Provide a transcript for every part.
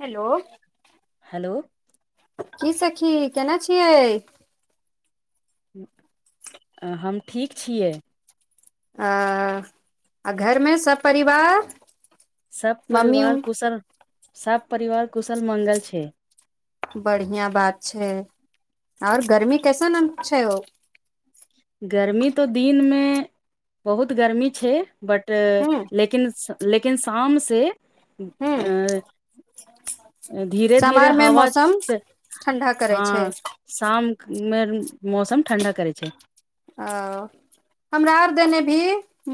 Hello hello की सखी केना छियै हम ठीक छियै आ आ घरमे सपिवार सबब परिवार कुशल साप परिवार कुशल मङ्ंगल छै बढ़िआँ बात छै आओर गर्मी कैसन छै ओ गर्मी तो दिन मे बहुत गर्मी छै बट तऽ हूँ लेकिन लेकिन शाम से हूँ अ धीरे धीरे समार मे हवा मौसम ठण्डा करै छै हँ शाम मे मौसम ठंडा करे छै ओ हमरा आर देने भी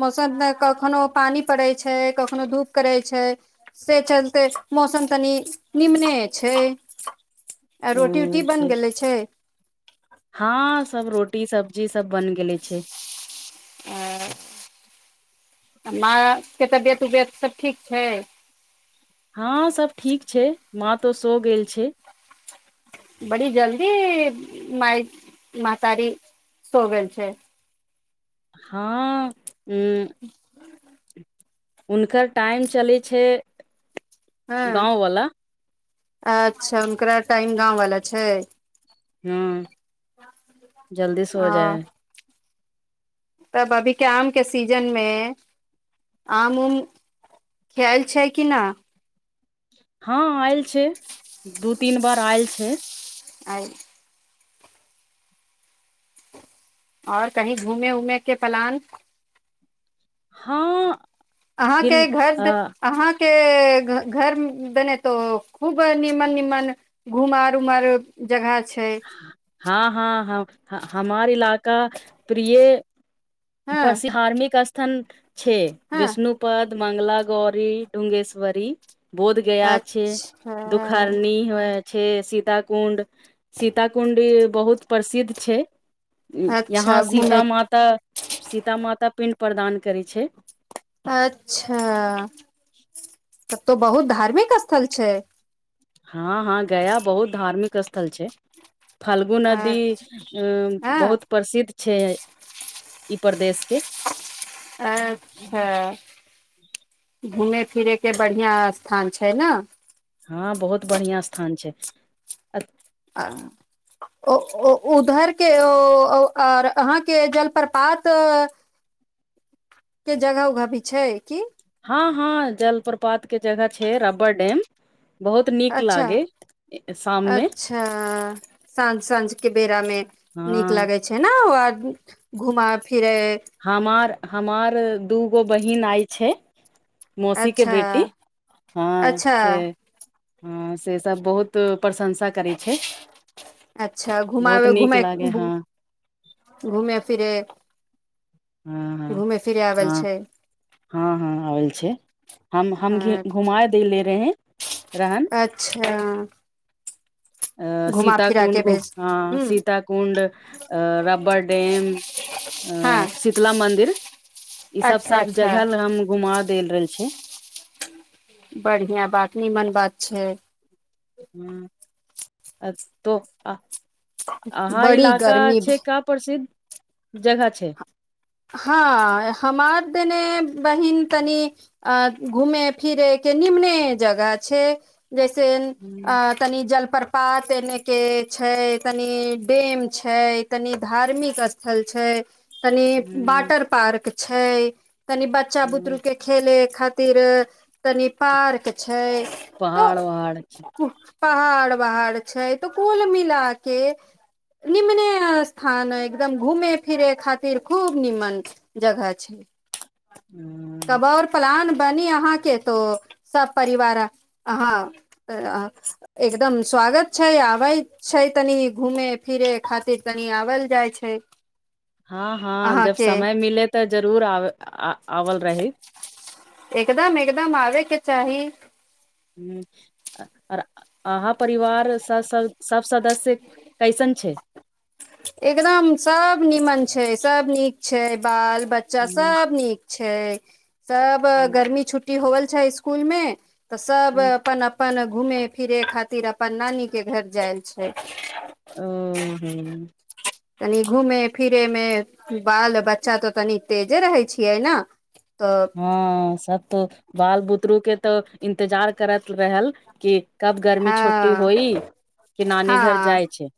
मौसम त कखनहु पानि पड़ै छै कखनहु धूप करै छै से चलते मौसम तनि निम्ने छै आ रोटी उटी बन गेले छै हँ सब रोटी सब्जी सब बन गेले छै आ मायके तबियत उबियत सभ ठीक छै। हँ सभ ठीक छै माँ तो सो गेल छै। बड़ी जल्दी मइ मतारी सो गेल छै। हँ। उम। हुनकर टाइम चलै छै हँ गाँव वला। अच्छा हनकरा टाइम गाँववालला छै हँ जल्दी से हो हँ जाय। तब अभी के आम के सीजन मे आम उम खायल छै कि न। हँ आयल छै दू तीन बार आयल छै। आ और कही घूम उमे के प्लान। हँ। फिर अहाँके अ घर अहाँ। के घर बने तो खूब निमन निमन घुमार उमार जगह। छै हँ हँ हा हमार इलाका प्रिय हँ पार्सिहार्मिक। थन। छओ हँ विष्णुपद मङंगला गौरी ढोंगेश्वरी। बोध गया छै अच्छा दुखर्नी हो। छै सीत कुण्ड। सीत कुण्डी बहुत प्रसिद्ध छै। यहाँ अच्छा घूमे सीता माता सीता माता पिंड। प्रदान करै छै। त तो बहुत धार्मिक स्थल छै। हँ हँ गया बहुत धार्मिक क स्थल छै फाल्गु नदी अच्छा अ हँ बहुत प्रसिद्ध। छै ई प्रदेश के। अच्छा। घूमे फिरैके बढ़िआँ स्थान छै ने। हँ बहुत बढ़िआँ स्थान छै उधरके आर अहाँके जलप्रपात। के जगह उगह भी छै की हँ हँ जलप्रपात के जगह छै रब्बर डैम। बहुत नीक अच्छा लागे शाम मे अच्छा साँझ साँझ के बेरा मे हँ नीक लागे छै ने ओ आ। घुमा फिर। हमार हमार दू गो बहिन आय छैय। मौसी के अच्छा बेटी हँ अच्छा से। हँ से सब बहुत। प्रशंसा करै छै अच्छा बहुत घुमाबे नीक घुमे लागे हँ घूमे फिरे। हँ घूमेय फिरय आवल हँ छैय। हँ हँ आबल छै हम हम घ छै घुमा देले रहें। अच्छा। अ घुमा सीता फिरा कुण्ड के भेज हँ हूँ सीत कुण्ड, रब्बर डैम, हँ शीतला मन्दिर ई सब अच्छा सब। अच्छा जगह हम घुमा। देल रहल छै। बढ़िआँ बात नीमन बात छै। ह अ तो आ अहाँ बड़ी इलाका गर्मी छै भे का प्रसिद्ध। जगह छै। हँ हमार देने बहिन तनी अ घूमे फिरे के निम्ने जगह छै। जैसे अ हम्म, तनी जल। प्रपात एने के छै तनि डेम छै तनि धार्मिक स्थल छै तनि। हम्म, वाटर पार्क। छैय। कनि बच्चा हम्म, बुतरु के खेले। खातिर तनी पार्क छैय। छैय। पहाड़ वहाड़ छै पहाड़ वहाड़ छैय त कुल मिला के निम्ने स्थान एकदम घूमे फिरे खातिर। खूब नीमन जगह छैय। कब और पलान। तनि अहाँ के तो सब परिवार अहाँ अ आहा एकदम स्वागत छैय आबैय छैय तनि घूमे फिरे खातिर आवल जाइ छैय। हँ हँ जब समय मिले त जरूर आब। आ आओल रहैय। एकदम एकदम आबेके चाही अर अहाँ परिवार सब। सदस्य कैसन छैय। एकदम सब नीमन छैय सब नीक छैय बाल। बच्चा हम्म, सब नीक छैय। छै। सब हम्म, गर्मी छुट्टी होल। अच्छा इसकुल मे। त सब हम्म, अपन अपन। घुम फिरै खातिर अपन नानी के घर जायल छै। ओ ह। तनी घूमे फिरे मे बाल बच्चा त तनी तेजे रहै छियै ने। तऽ हँ सब त बाल बुतरू के। त इन्तजार करैत रहल। कि कब गर्मी छुट्टी हँ होई कि नानी घर जाइ हँ छै।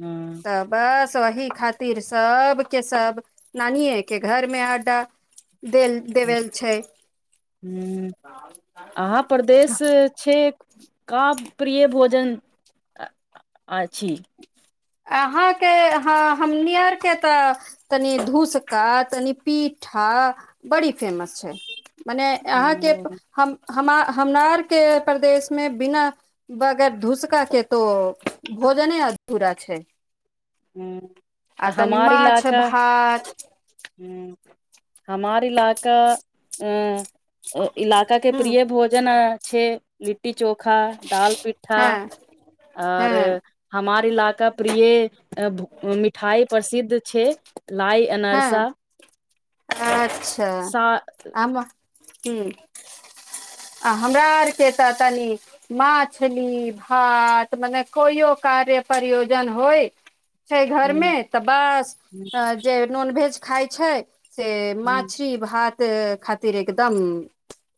हँ त बस। सही खातिर सबके सब नानिे के घर मे अड्डा। देल देवल छै ह अहाँ परदेश छै। का प्रिय भोजन अछि। अहाँके ह हमनी आरके त तनि धूसका तनि पिठा बड़ी फेमस छै। मने अहाँके हम्म, हम। हमा हमरार के प्रदेश मे बिना बगर धूसका के तो भोजने अधूरा। अच्छा। ह हमार माछ इलााका भात ह। हमार इलाका अ। इलाका के हूं प्रिय भोजन अ। छे ली। लिट्टी चोखा दाल पिट्ठा हँ और हँ हमार। ला का प्रिय। मिठाई प्रसिद्ध छै लाइ अनरसा हँ सा। ह। आ हमरा आरके त तनि मछली भात मने कोइओ कार्य प्रयोजन होय। छै घरमे हँ त बस जे नॉनवेज। खाइ छै। से माछरी भात। खातिर एकदम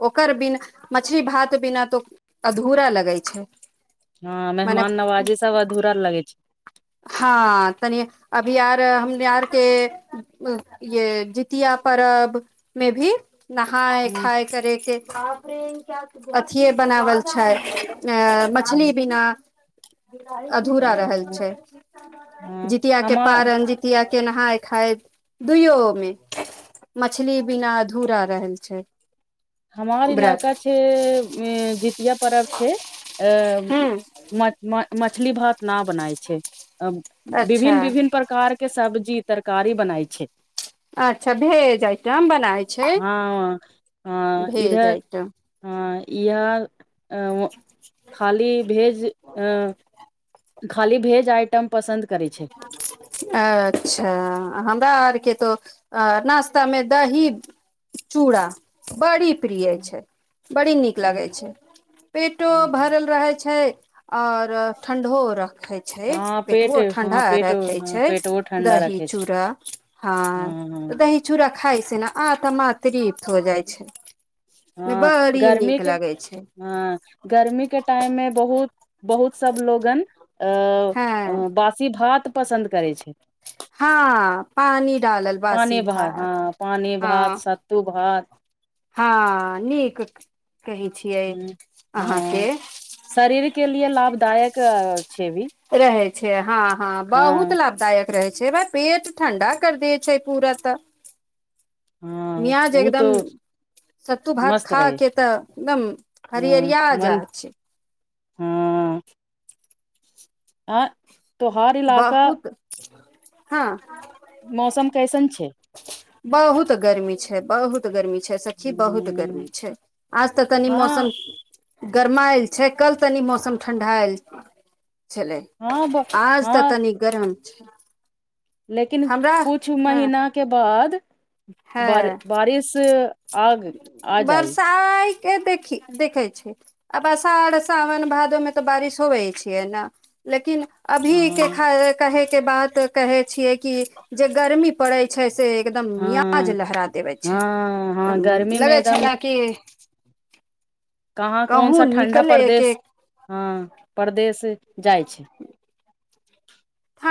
ओकर बीन। मछली भात बिना तो अधूरा लगै छै। हँ मेहमान मने नवाजे सभ अधूरा लगै छै। हँ तनि अभी आर हम आरके य जितिया परब मे भी। नहाय खााय करैके। अथिए बनावल छै। अ मछली। अधूरा रहल छै जितिया के हमार पारन जितिया। के नहााय खाय दुइो मे मछली बिना अधूरा रहल छै। हमार व्रत इलाका छै जितिया पर्व छै अ हूँ मछली भात ना बनाय छै। अ अच्छा विभिन्न विभिन्न प्रकार के सब्जी। तरकारी बनाय छै। अच्छा भेजइतम बनाै छै। हँ भे जाइटा। ह इह। अ खाली भेज अ। खाली भेज आइटम पसन्द। करै छै अच्छा हमरा आरके। त अ नाश्ता मे दही चूड़ा। बड़ी प्रिय छै बड़ी नीक लगै छै पेटो भरल रहै छै। और ठंडो रखे छै हँ पेट पेटवोट। हँ ठंडा पेट रखे हँ छै पेटवो ठण्डा दही रखे छै चूड़ा हँ दही चूड़ा खााय से ने। आतमा तिरप हो जाइ छै। हँ बड़ी गर्मी नीक के लगै छै हँ गर्मी के टाइम मे बहुत बहुत। सब लोगन। हँ अ बासी भात। पसन्द करै छै। हँ पानी डालल बासी पानी भात हँ पानी भात हँ। सत्तू भात हँ नीक। कहै छियै ह अहाँके हँ शरीर के लि लाभ। दायक। छेबी। रहै छै हा। हँ बहुत लाभदायक। रहै छै बा पेट ठण्डा कर दै छै पूरा त। हँ मियाज ओ तो एकदम सत्तू भात मस्त खा रहे क त एकदम ह हरिअरिया मन जाछ। हँ आ। तोहार इलाका। बहुत हँ। मौसम कैसन छै। बहुत गर्मी छै बहुत गर्मी छै। सखी बहुत गरमी छै आज त कनी मौसम। हँ गरमाएल छै कल तनी मौसम ठण्डा आयल। छललै हँ ब आज हँ तकनि गरम। अचछा। लेकिन कुछ महिनाके बाद। बार हँ बारिस। बरसाइ। के देखि देखै छै आब अषाढ़ साावन भादोमे त बारिश होबे छियै ने लेकिन। अभी के हँ कहे के बात। कहे छियै कि जे गर्मी पड़े छै से। एकदम मियाज हँ लहरा देबै छै हँ हँ। एकदम गर्मी मे लगै छल एकदम ने कि। कहाँ कौन कहूँ सा ठण्डा निकले के परदेश हँ। परदेस।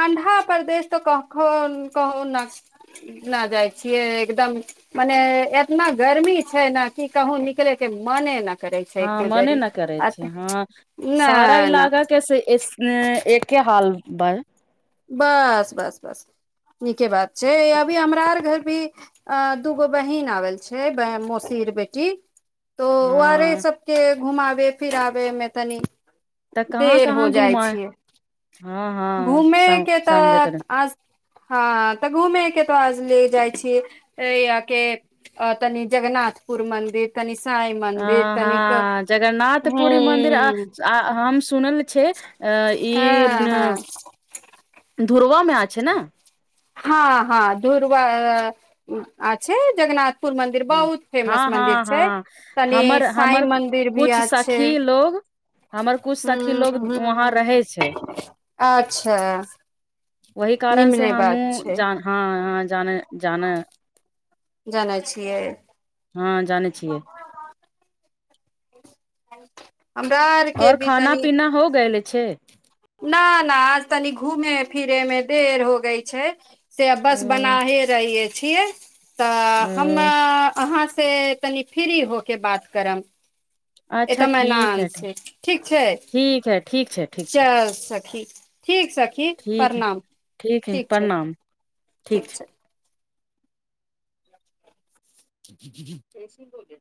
ठंडा परदेश तो कखो कहुं न न जाय छीये एकदम मने एतना गर्मी छै न की कहु निकले के मने ने। हँ मने न करै छै हँ सारा नहि इलाका के से एके हाल। बाह। बस बस बस। नीके बात छै अभी हमरा आर घर भी। अ दूगो बहिन आबल छै मौसीर बेटी। तो ओ आरे हँ सबके। घुमबे फिराबे मे तनी। तऽ कहाँ देर हो कहाँ जाइ घुमा छियै हँ हँ। त समझैत रह आज। हँ तऽ घूमे के तऽ ले जाइ छी य के तनि जगनाथपुर मंदिर तनि। साई आ मंदिर तनिक हँ जगन्नाथ पुररी मन्दिर हूँ हम। सुनल छै ई। हँ हँ धुर्व। हँ हँ। धुरवा आ छै जगन्नाथ। पुर मन्दिर बहुत फेमस हँ मंन्दिर हँ छै हँ तनि हमर साई हमर मन्दिर भी कुछ अ छै सखी लोग हमर कुछ ह सखी लोग वहाँ रहै छै ह अच्छा। वहि कारण से निमने हमू बात छै ज हँ। जान जान। जानै छियै। हँ जानै छियै। [unintelligible] आर के और भी खाना तनी पीना हो गए ल। छै। न न आज तनी घूमे फिरे मे देर हो गई छै। से बस अ बनाहे रहिय। छै। तऽ हम अ, अहाँ। से तनी फ्री होके बात करम। एकटा अच्छा ठीक मैनान है ठीक छै ठीक छै ठीक है ठीक छै ठीक छै चल सक। ठीक। ठीक सखी ठीक है प्रणाम हइ ठीक छै प्रणाम ठीक छै। छै